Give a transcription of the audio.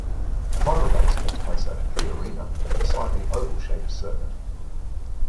The final race takes place at "The Arena", a slightly oval-shaped circuit.